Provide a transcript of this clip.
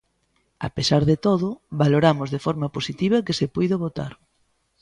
A pesar de todo, valoramos de forma positiva que se puido votar.